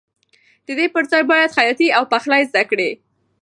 د دې پر ځای باید خیاطي او پخلی زده کړې.